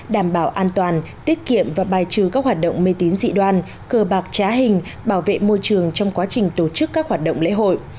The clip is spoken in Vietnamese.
đảm bảo an toàn tiết kiệm và bài trừ các hoạt động mê tín dị đoan cờ bạc trá hình bảo vệ môi trường trong quá trình tổ chức các hoạt động lễ hội